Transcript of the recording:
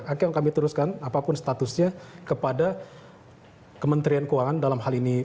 akhirnya kami teruskan apapun statusnya kepada kementerian keuangan dalam hal ini